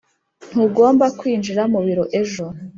ntugomba kwinjira mu biro ejo.